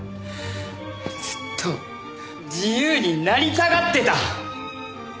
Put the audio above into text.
ずっと自由になりたがってた。